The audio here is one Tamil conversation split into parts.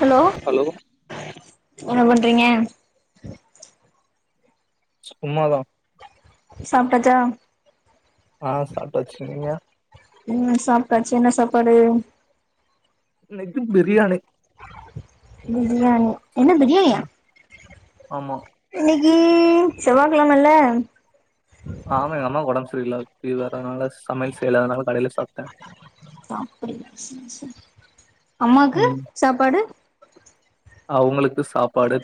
ஹலோ ஹலோ என்ன பண்றீங்க சும்மாதா சாப்ட்டாச்சா ஆ சாப்டாச்சு நீீங்க ம் சாப்டாச்சு என்ன சாப்பாடு இன்னைக்கு பிரியாணி பிரியாணி என்ன பிரியாணியா ம் ஆமா இன்னைக்கு செவ்வாக்கெழமல ஆமா எங்க அம்மாக்கு ஒடம்பு சரியில்ல லாப்ப வர்றனால [unintelligible] சமையல் செய்யல அதனால கடையில சாப்பிட்டே அம்மாக்கு ம் சாப்பாடு அவங்களுக்கு சாப்பாடு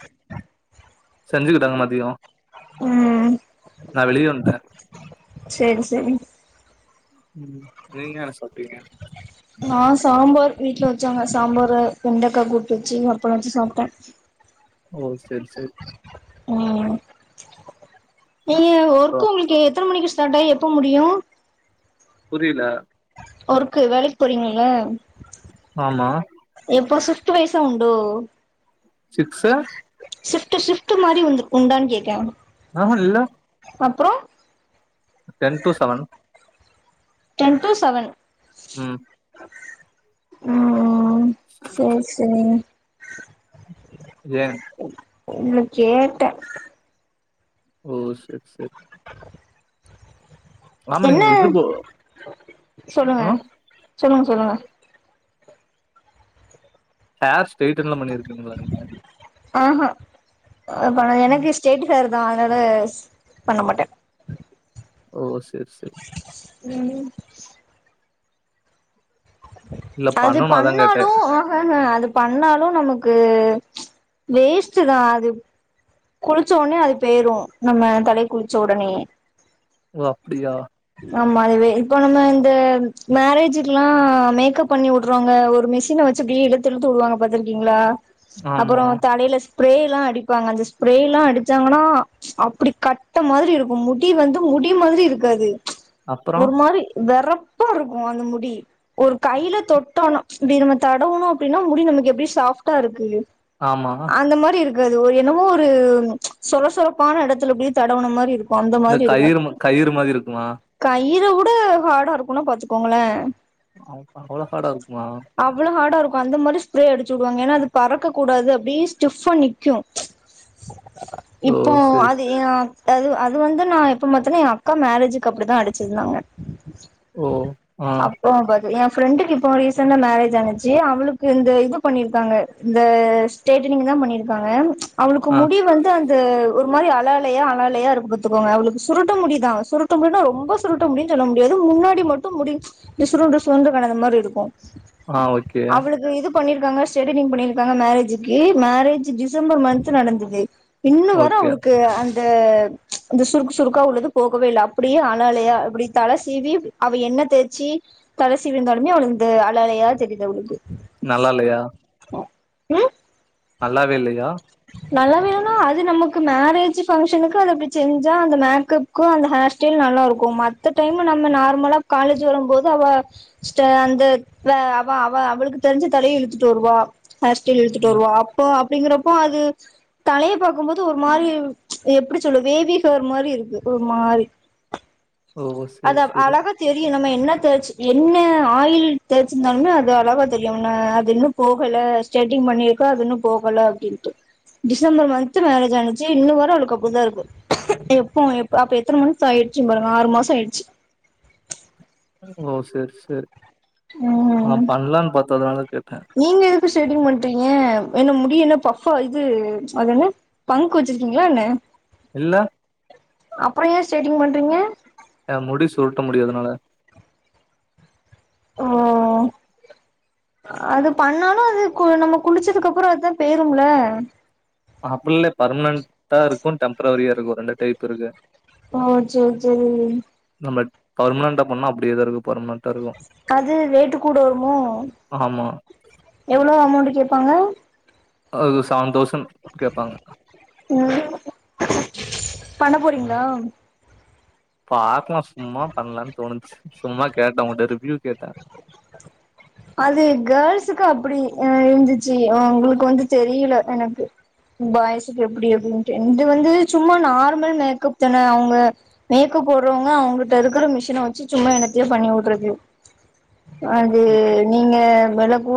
செஞ்சுக்கிட்டாங்க மதியோ ம் நா வெளிய வந்துடே செரி செரி ம் நீங்க என்ன சாப்டிங்க நா சாம்பார் வீட்ல வச்சாங்க சாம்பார் வெண்டக்கா கூட்டு வச்சு அப்பலோ வச்சு சாப்ட்டே [inaudible] ஓ செரி செரி ம் நீங்க அப்றோ ஒர்க் ஒங்களுக்கு எத்தன மணிக்கு ஸ்டார்ட் ஆகி எப்ப முடியு புரில ஒர்க்கு வேலைக்கு போறீங்களா நீங்க ஆமா எப்பா சிப்ட் வைசா உண்டோ சிக்ஸ் சிஃப்ட் சிப்ட் மாரி உண் உண்டான்னு கேக்கே ஆமா இல்ல அப்றோ ten two seven ten two seven ம் ஓ செரி செரி ஏ இல்ல கேட்டே ஓ செரி செரி ஆமா என்ன நீங்க இது போ சொல்லுங்க ஆ சொல்லுங்க சொல்லுங்க ஹேர் ஸ்டைர்ட்டன்லா பண்ணிருக்கீங்களா நீங்க ஸ்ட்ரெட் ஹேர் தா அதனால பண்ண மாட்டே ஓ செரி செரி ம் ம் இல்ல அது பண்ணணு அதா கேட்டே பண்ணாலு ஹ ஹ ஹ அது பண்ணாலு நமக்கு ச் வேஸ்ட்டு தா அது குளிச்ச உடனே அது போயிரு நம்ம தலைக்கு குளிச்ச உடனேயே ஓ அப்டியா ஆமா அதுவே இப்ப நம்ம இந்த மேரேஜ்க்ல்லா மேக்கப் பண்ணி வுட்றோங்க ஒரு மிஷின வச் சு இழுத்து இழுத்து விடுவாங்க பாத்தீருக்கீங்களா ஆமா அப்பறோ தலையில ஸ்ப்ரே எல்லா அடிப்பாங்க ஸ்ப்ரேலா அடிச்சாங்கன்னா அப்படி கட்ட மாதிரி இருக்கும் முடி வந்து முடி மாதிரி இருக்காது அப்புறோ ஒரு மாறி வெறப்பா இருக்கும் அந்த முடி ஒரு கையில தொட்டாலா இப்டி நம்ம தடவுணேம் அப்படின்னா முடி நமக்கு எப்படி சாப்டா இருக்கு ஆமா அந்த மாறி இருக்காது ஒரு என்னமோ ஒரு சொரசரப்பான எடத்துல அப்படியே தடவுன மாறி இருக்கு அந்த இந்த மாதிரி இருக்கு கயிறு ம- கயிறு மாரி இருக்குமா கயிற உட ஹாடா இருக்கும்னா பாத்துக்கோங்களே அவ அவ்ளோ ஹாட இருக்குமா அவ்வளோ ஹார்டா இருக்கும் அந்த மாதிரி ஸ்ப்ரே அடிச்சு விடுவாங்க ஏன்னா அது பறக்க கூடாது அப்படியே ஸ்டிப்பா நிக்கும் ஓ இப்போ செரி அது செரி ஆ அது அது வந்து நா எப்ப பாத்தனா என் அக்கா மேரேஜ்க்கு அப்டிதா அடிச்சிருந்தாங்க ஓ ஆ ஓ பாது எ ஃப்ரெண்டுக்கு இப்போ ரீசண்டா மேரேஜ் ஆச்சு அவளுக்கு இந்த இது பண்ணிருக்காங்க இந்த ஸ்டேடனிங் தா பண்ணிருப்பாங்க அவளுக்கு ஆ முடி வந்து அந் து ஒரு மாறி அல அலையா அல அலலையா இருக்கும் பாத்துக்கோங்க அவளுக்கு சுருட்ட முடிதா சுருட்ட முடின ரொம்ப சு சுருட்ட முடியின்னு சொல்ல முடியாது முன்னாடி மட்டும் முடி இந்த சுருண்டு சுருண்டுகிடக்க மாறி இருக்கும் ஆ ஓகே அவளுக்கு இது பண்ணிருக்காங்க ஸ்ரேடினிங் பண்ணிருக்காங்க மேரேஜ்க்கு மேரேஜ் டிசம்பர் மந்த் து நடந்தது இன்னும் வர ஓகே அவளுக்கு அந் து அந்த சுருக்கு சுருக்கா உள்ளது போகவே இல்ல அப்படியே அல அலயா இப்படி தலசீவி அவ எண்ணெ தேச்சி தலசீவி இருந்தாலுமே அவளுக்கு அல அலையாதா தெரியுது அவளுக்கு நல்லா இல்லயா ம் நல்லாவே இல்லையா நல்லாவே இல்லனா அது நமக்கு மேரேஜ் பங்க்ஷனுக்கு அது அப்படி செஞ்சா அந்த மேக்கப் க்கும் அந்த ஹேர் ஸ்டைல் நல்லா இருக்கும் மத்த டைம் நம்ம நார்மலா காலேஜ் வரும்போது அவ சிஸ்டர் அந்த அவ அவ அவளுக்கு தெரிஞ்ச தலய இழுத்துட்டு வருவா ஹேர்ஸ்டல் இழுத்துட்டு ம் வருவா அப்போ அப்டிங்கிறப்போ அது தலைய பாக்கும் போது ஒரு மாரி எப்டி சொல்லு பேவிஹேர் மாரி இருக்கு ஒரு மாரி ஓ செரி அது செரி அழகா தெரியும் நம்ம என்ன தேச்சு என்ன ஆயில் தேச்சிருந்தாலுமே அது அழகா தெரியும் அது இன்னும் போகல ஸ்டேட்டிங் பண்ணிருக்க அது இன்னும் போகல அப்டின்ட்டு டிசம்பர் மன்த் மேரேஜ் ஆனுச்சி இன்னும் வர அவளுக்கு அப்டிதான் இருக்கு எப்போ அப்ப எத்தன மந்த் ஆயிடுச்சி பாருங்க ஆறு மாசம் ஆயிடுச்சி ஓ செர் செர் ம் நா பண்ணலான்னு பாத்த அதனால தான் கேட்டே நீங்க எதுக்கு ஸ்டெய்டிங் பண்றீங்க என்ன முடிய என்ன பஃப்பா இது அது என்ன ஃபங்க் வச்சிருக்கீங்களா என்ன இல்ல அப்புற ஏ ஸ்டைடிங் பண்ணி எ முடி சுருட்ட முடி அதனால ஓ அது பண்ணாலு அது கு நம்ம குளிச்சதுக்கு அப்புற அதுதான் பேய்ரும்ல அப்இல்லே பர்மனன்டா இருக்கும் டெம்ப்ரரியா இருக்கும் ரெண்டு டைப் இருக்கு ஓ செரி செரி நம்ம பர்மனன்ட பண்ணா அப்டே தா இருக்க பர்மன்ட் அது ரேட்டு கூட வருமோ ஆமா எவ்ளோ அமௌண்ட் கேப்பாங்க அது செவன் தௌசண்ட் கேப்பாங்க ம் பண்ண போறீங்ளா பாக்லா சும்மா பண்ணலான் தோணுச்சு சும்மா கேட்டே உங்கட்ட ரிவ்யூ கேட்ட அது கேர்ள்ஸுக்கு அப்டி ஆ இந்திச்சி ஒ உங்ளுக்கு வந்து தெரியல எனக் பாய்ஸுக்கு எப்டி அப்டின்ட்டு இது வந்து சும்மா நார்மல் மேக்கப் தான அவுங்க மேக்கப் போட்றவுங்க அவுங்கட்ட இருக்கிற மிஷின வச்சு சும்மா என்னத்தையோ பண்ணி வுட்றது அது நீங்க வெல கூ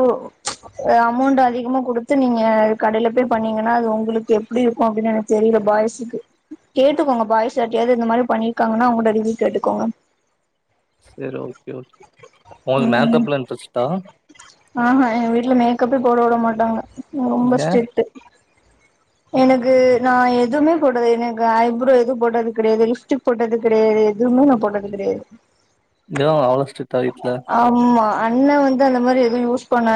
அமௌண்ட் அதிகமா குடுத்து நீங்க கடையில போய் பண்ணீங்கன்னா அது உங்களுக்கு எப் ப்டி இருக்கு அப்டின் எனக்கு தெரில பாய்ஸுக்கு கேட்டுக்கோங்க பாய்ஸ் யார்டியாது இந்த மாரி பண்ணிர்க்காங்னா அவுங்கட்ட ரிவிவ் கேட்டுக்கோங்க சரி ஓகே ஓகே உங்களுக்கு ம் மேக்கப்ல இன்ட்ரெஸ்ட்டா ஆஹா எங்க வீட்ல மேக்கப்பே போட வுட மாட்டாங்க ரொம்ப ஏ ஸ்ட்ரிட்டு எனக்கு நா எதுவுமே போட்டது கெட எனக்கு ஐப்ரோ எதுவு போட்டது கெடையாது லிப்ஸ்ட்டிக் போட்டது கெடையாது எதுவுமே நா போட்டது கெடையாது தோவ அவ்ளோ ஸ்டிட்டா வீட்ல ஆமா அண்ண வந்து அந்த மாரி எது யூஸ் பண்ண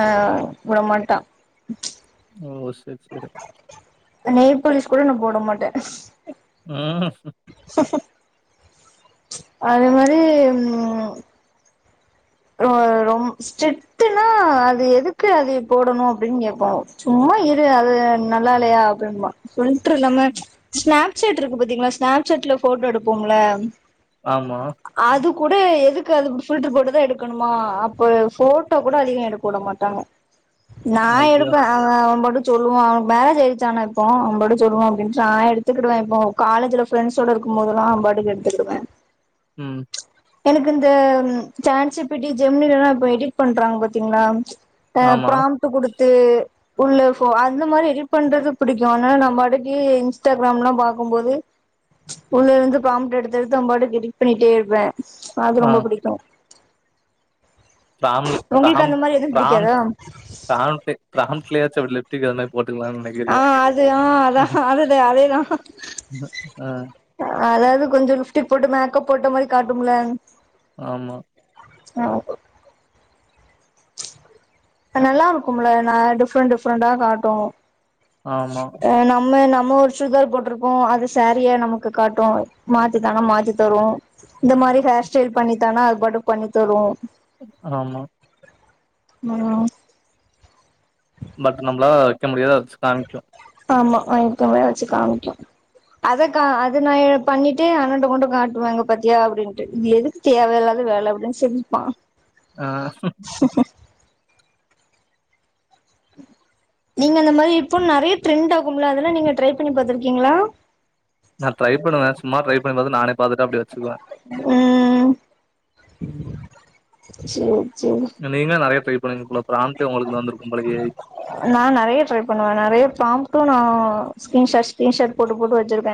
வுட மாட்டா ஓ செரி செரி நெய்பாலீஸ் கூட நா போட மாட்டே ம் அது மாரி ம் ரோ ரொம் ஸ்டிட்டுனா அது எதுக்கு அது போடணு அப்டின் கேப்பாங்க சும்மா இரு அது நல்லாலையா அப்டிம்பா ஃபில்ட்ரு இல்லாம ஸ்நாப்சாட் இருக்கு பாத்தீங்ளா ஸ்நாப் சாட்ல போட்டோ எடுப்போம்ள ஆமா அது கூட எதுக்கு அது பில்டர் போட்டுதா எடுப் க்கணுமா அப்ப எ ஃபோட்ட கூட அதிகோ எடுக்க வுட மாட்டாங்க நா ஐயோ எடுப்ப அவ அவம்பாட்டுக் சொல்லுவா அவனுக் மேரேஜ்ஜாய்ச்சு ஆன இப்போ அவம்பாடு சொல்லுவா அப்டின் நா எடுத்துக்கிடுவ இப்போ காலேஜுல ப்ரெண்ஸ்ஸோட இருக்கும்போதுலா யம்பாட்கு எடுத்துகிடுவ ம் எனக்கு இந்த சேட்சிபிட்டி ஜெம்னிலலா இப்ப எடிட் பண்றாங்க பாத்தீங்ளா அ ஆமா பிராம்ட்டு குடுத்து உள்ள ஃபொ அந்த மாரி எடிட் பண்றது புடிக்கு ஆனா நம்பாடுக்கு இன்ஸ்டாகிராம்லா பாக்கும்போது உள்ள இருந்து பிராம்புட்டு எடுத்து எடுத்து ஒம்பாட்டுகு எடிட் பண்ணிட்டே இருப்ப அது ஆ ரொம்ப பிடிக்கு பிராம்லு உங்களுக்கு பிராம் அந்த மாரி எதுவு பிரான் பிடிக்காதா பிராம்டு பிராம்டுல யாச்சு லிப் ட்டிக் அதுமேரி போட்டுக்கிலான் ஆ நெனக்கிரியா அது ஆ அதா அது அதுதா ஆ அதாது கொஞ்ச லிஃப்டிக் போட்டு மேக்கப் போட்ட மாரி காட்டும்ல ஆமா ஆமா அத் நல்லா இருக்கும்ல நா டிஃப்ரெண்ட் டிஃப்ரெண்டா காட்டு ஆமா அ நம்ம நம்ம ஒரு சுடிதர் போட்ருப்போ அது சேரியா நமக்கு காட்டு மாத்தித்தானா மாத்தி தரு இந்த மாரி ஹேர் ஸ்டைல் பண்ணித்தானா அது பாட்டு பண்ணி தரு ஆமா ம் பட் நம்ள வைக்க முடியாத வச்சி காமிக்கு ஆமா வக்கிம வச்சி காமிக்கு அத கா அத நா பண்ணிட்டு அண்ணண்ட கொண்டு காட்டுவ இங்க பாத்தியா அப்டின்ட்டு இது எதுக்கு தேவயில்லாத வேலனு அப்டின் சிரிப்பா ஆ நீங்க அந்த மாரி இப்ப நெறைய ட்ரெண்டாகும்ள அதெல்லா நீங்க ட்ரை பண்ணி பாத்துருக்கீங்களா நா ட்ரை பண்ணுவ சும்மா ட்ரை பண்ணுது நானே பாத்துட்டு அப்டியே வச்சுக்குவ ம் ம் சேர் சேரி நீங்க நெறைய ட்ரை பண்ணுங்க ஃபுல்லா ப்ராம்டு உங்களுக்கு வந்துருக்கும் போலயே நா நெறைய ட்ரை பண்ணுவ நெறைய ப்ராம்டு நா ஸ்கிரீன் ஷாட் ஸ்கிரீன் ஷாட் போட்டு போட்டு வச்சிருக்க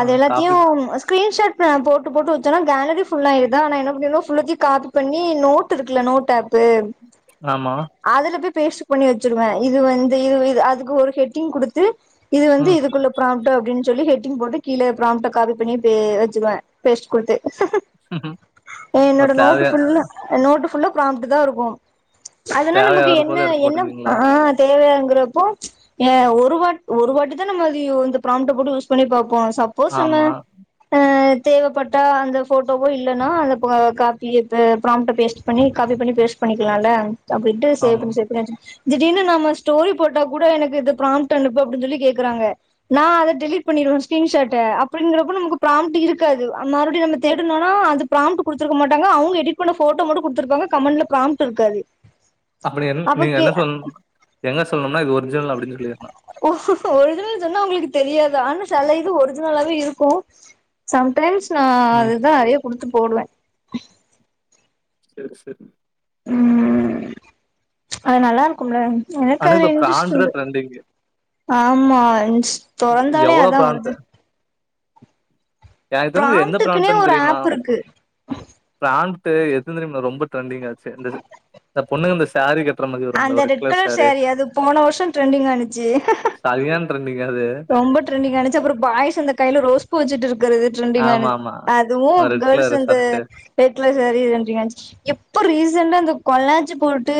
ஆ எல்லாத்தயு காப்பி ஸ்கிரீன் ஷாட் நா போட்டு போட்டு வச்சனா கேலரி ஃபுல்லாயிருதா நா என்ன பண்ணீங்னா ஃபுல்லாத்தியு காப்பி பண்ணி நோட் இருக்குல நோட் ஆப் பு ஆமா. அதுல போய் பேஸ்ட் பண்ணி வச் ச்சிருவ இது வந்து இ இது அதுக்கு ஒரு ஹெட்டிங் குடுத்து இது வந்து ம் இதுக்குள்ள ப்ராம்டு அப்டின் சொல்லி ஹெட்டிங் போட்டு கீழ ப்ராம்ட காபி பண்ணி பே வச்சிருவ பேஸ்ட் குடுத்து ஓ என்னோட நோட்டு தேவையா ஃபுல்லு நோட்டு ஃபுல்லா பிராம்ட்டு தா இருக்கும் அதனா நமக்கு தேவையாகறப்போது என்ன எடுத்து என்ன போட்டுக்குவீங்களா? ஆ தேவயாங்கறப்போ ய ஒரு வாட் ஒரு வாட்டி தா நம்ம அது இந்த பிராம்ட போட்டு யூஸ் பண்ணி பாப்போ சப் சப்போஸ் நம்ம ஆமா, அ தேவப்பட்டா அந்த ஃபோட்டோவோ இல்லன்னா அந்த காப்பி ப்ராம்ட பேஸ்ட் பண்ணி காப்பி பண்ணி பேஸ்ட் பண்ணிக்களால்ல அப்டிண்டு சேவ் ஆமா. பண்ணி சேவ் பண்ணி வச் திடீர்னு நம்ம ஸ்டோரி போட்டா கூட எனக்கு இது ப்ராம்டு அனுப்பு அப்டின் சொல்லி கேக்குறாங்க நா அத டெலிட் பண்ணிருவ ஸ்கிரீன் ஷாட்ட அப்டிங்கறப்ப நமக்கு ப்ராம்டு இருக்காது மறுபடி நம்ம தேடுனோனா அது ப்ராம்டு குடுத்துருக்க மாட்டாங்க அவுங்க எடிட் பண்ண ஃபோட்டோ மட்டும் குடுத்துருப்பாங்க கமண்ட்ல பிராம்ட்டு இருக்காது அப்டி என் அப்ப நீங்க கே என்ன சொல் என்ன சொல்லணும்னா இது ஒரிஜினல் அப்டின்னு சொல்லிர்னு ஒரிஜினல் சொன்னா அவுங்களுக்கு தெரியாதா ஆனா செல இது ஒரிஜினலாவே இருக்கு சம்டைம்ஸ் நா ம் அதுதா நெறைய குடுத்து போடுவ சேரி சேரி உம் அது நல்லா இருக்கும்ல்ல எனக்கு ஆனா அதுல இப்ப இன்ட்ரெஸ்ட்டு ப்ராண்ட் தான் உண்டு ட்ரெண்டிங்கு. ஆமா தொறந்தாலே எவ்ளோ அதான் ப்ராண்ட் வருது எனக்கு தெரிஞ்சது எந்த ப்ராம்ப்ட்டுக்குனே பிராம்ட்டுன் ஒரு தெரியுமா ஆப் இருக்கு பிராம்ட்டு எது தெரியுமா ரொம்ப ட்ரெண்டிங் ஆச்சு இந்த இந்த பொண்ணு இந்த சாரீ கட்டுறது அந்த ரெட் கலர் சேரீ அது போன வருஷம் ட்ரெண்டிங் ஆனுச்சு சரியான ட்ரெண்டிங் அது ரொம்ப ட்ரெண்டிங் ஆனுச்சு அப்புறம் பாயஸ் அந்த கையில ரோஸ் பூ வச்சுட்டு இருக்குறது ட்ரெண்டிங் ஆமா, ஆனது ஆமா. அந்த அதுவும் ரெட் கேர்ள்ஸ் கலர் அந்த shirt red colour sari trending ஆனுச்சி எப்ப ரீசண்டா இந்த கொலாஜ் போட்டு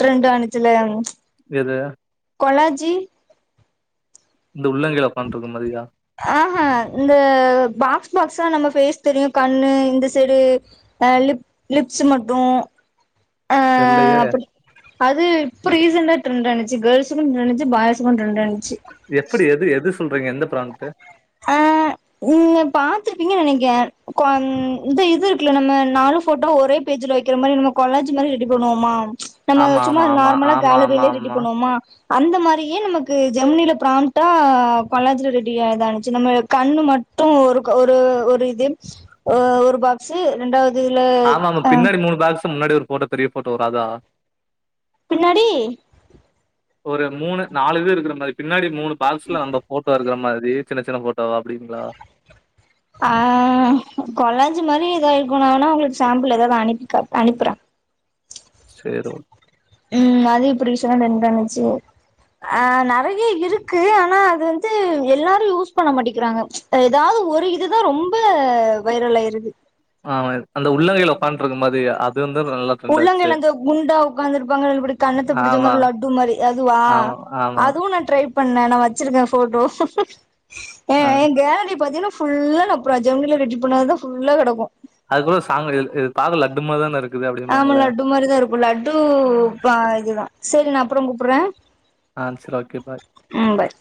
ட்ரெண்ட் ஆனுச்சில எத கொலாஜி இந்த உள்ளங்கையில உக்காண்ட் இருக்க மாதிரியா ஆஹ இந்த பாக்ஸ் பாக்ஸா நம்ம பேஸ் தெரியு கண்ணு இந்த சைடு ஆ லிப் லிப்ஸு மட்டு ஆ தெர்லயே அப்புடி அது இப்ப ரீசண்டா ட்ரெண்டானுச்சு கேர்ள்ஸுக்கு ட்ரெண்டுச்சு பாய்ஸுக்கும் ட்ரெண்டானுச்சு எப்டி எது எது சொல்றீங்க எந்த பிராண்ட்டு ஆ நீங்க பாத்துருப்பீங்க நெனைக்கே கொந் இந்த இது இருக்குல்ல நம்ம நாலு ஃபோட்டோ ஒரே பேஜ்ல வக்கிற மாரி நம்ம கொலாஜ் மாரி ரெடி பண்ணுவாமா நம்ம ஆமா சும்மா ஆமா ஆமா நார்மலா ஆமா ஆமா காலரிலே ரெடி ஆமா பண்ணுவோமா அந்த மாரியே நமக்கு ஜெமினியில பிராம்ட்டா பொள்ளாச்சில ரெடியாயிடா ச்சி நம்ம கண்ணு மட்டு ஒரு க ஒரு ஒரு இது ஆ ஒரு பாக்ஸ் ரெண்டாவது இதுல ஆமாமா அ பின்னாடி மூணு பாக்ஸு முன்னாடி ஒரு ஃபோட்டோ பெரிய ஃபோட்டோ வரு அதா பின்னாடி ஒரு மூணு நாலு இது இருக்கிற மாரி பின்னாடி மூணு பாக்ஸ்ல நம்ப ஃபோட்டோ இருக்கிற மாதிரி சின்ன சின்ன ஃபோட்டோவா அப்டிங்களா ஆ கொலாஞ்சி மாரி ஏதா இருக்கோணுன்னா உங்களுக்கு சாம்பிள் ஏதாது அனுப்பிக் காட் அனுப்புற சேரு ம் அது எப்டி சொன்ன ரெண்டானுச்சு ஆ நெறைய இருக்கு ஆனா அது வந்து எல்லாரு யூஸ் பண்ண மாட்டுக்கிறாங்க ஆ ஏதாது ஒரு இதுதா ரொம்ப வைரல் ஆயிருது ஆமா அந்த உள்ளங்கையில உக்காந்ட்டு இருக்க மாரி அது வந்து நல்ல உள்ளங்கையில வந்து குண்டா உக்காந்துருப்பாங்க இப்டி கண்ணத்த பிடிச்ச ஆமா மாரி லட்டு மாரி அதுவா ஆமா ஆமா அதுவு நா ட்ரை பண்ண நா வச்சிருக்கே ஃபோட்டோ ஆ கேலரி பாத்திங்கன்னா ஃபுல்லா நா பர ஜெம்னில ரெடி பண்ணதுதா ஃபுல்லா கெடக்கு அது கூட சாங்கு ரீல் இது பாக்க லட்டு மாரி தான இருக் ஆமா லட்டு மாரிதா இருக்கு லட்டு இப்ப இதுதா சேரி நா அப்புற கூப்புற ஆ சேரி ஓகே பாய் ஆ பாய்